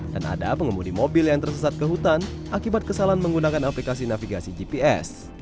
dan ada pengemudi mobil yang tersesat ke hutan akibat kesalahan menggunakan aplikasi navigasi gps